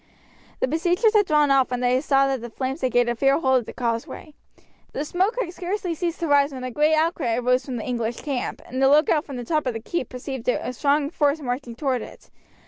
The besiegers had drawn off when they saw that the flames had gained a fair hold of the causeway. The smoke had scarcely ceased to rise when a great outcry arose from the English camp, and the lookout from the top of the keep perceived a strong force marching toward it.